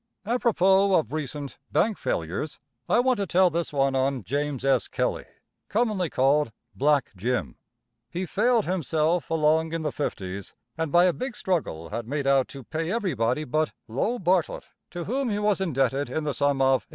Apropos of recent bank failures, I want to tell this one on James S. Kelley, commonly called "Black Jim." He failed himself along in the fifties, and by a big struggle had made out to pay everybody but Lo Bartlett, to whom he was indebted in the sum of $18.